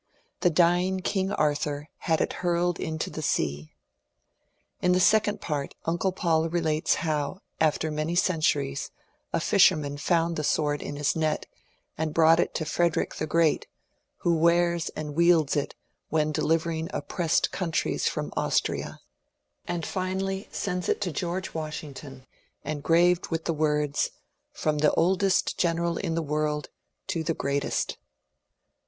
The dying King Arthur had it hurled into the sea. In the second part uncle Paul relates how, after many centuries, a fisher man fotmd the sword in his net and brought it to Frederick the Great, who wears and wields it when delivering oppressed countries from Austria ; and finally sends it to George Wash ington, engraved with the words : From the oldest General in the world to the greatest.